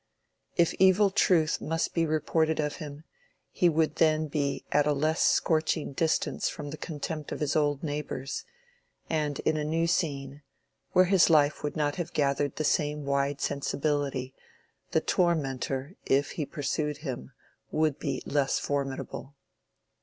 If evil truth must be reported of him, he would then be at a less scorching distance from the contempt of his old neighbors; and in a new scene, where his life would not have gathered the same wide sensibility, the tormentor, if he pursued him, would be less formidable.